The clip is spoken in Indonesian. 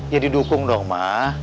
ya didukung dong ma